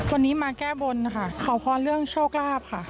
วันนี้มาแก้บนค่ะขอพรเรื่องโชคลาภค่ะ